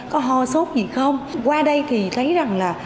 có ho sốt gì không qua đây thì thấy rằng là